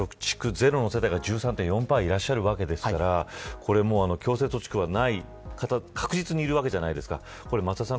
そもそも、貯蓄ゼロの世帯が１３．４％あるわけですから強制貯蓄はない方、確実にいるわけじゃないですか。